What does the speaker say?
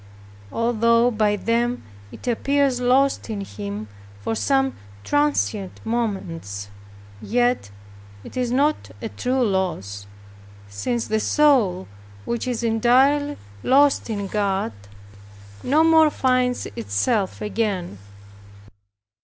Although by them it appears lost in Him for some transient moments, yet it is not a true loss, since the soul which is entirely lost in God no more finds itself again.